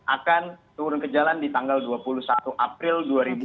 akan turun ke jalan di tanggal dua puluh satu april dua ribu dua puluh